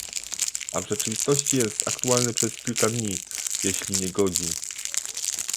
A w rzeczywistości jest aktualny przez kilka dni, jeśli nie godzin